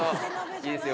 いいですよ